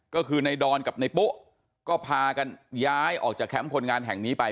ก็คือในดอนกับในปุ๊ก็พากันย้ายออกจากแคมป์คนงานแห่งนี้ไป